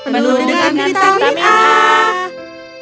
menurut dengan kita minah